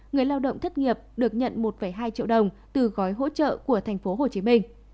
nhiều đồng thất nghiệp được nhận một hai triệu đồng từ gói hỗ trợ của tp hcm